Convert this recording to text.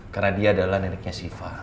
karena dia adalah neneknya siva